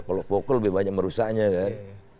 kalau vocal lebih banyak merusaknya kan